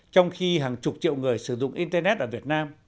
trong khi hàng chục triệu người sử dụng internet ở việt nam